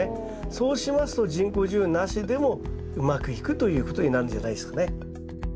そうしますと人工授粉なしでもうまくいくということになるんじゃないですかね。